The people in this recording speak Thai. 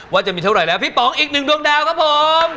ว่าจะมีเท่าไหร่แล้วพี่ป๋องอีกหนึ่งดวงดาวครับผม